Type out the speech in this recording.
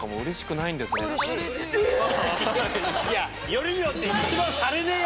よりによって。